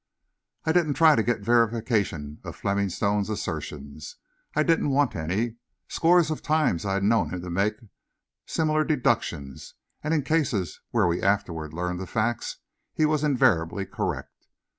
I didn't try to get a verification of Fleming Stone's assertions; I didn't want any. Scores of times I had known him to make similar deductions and in cases where we afterward learned the facts, he was invariably correct.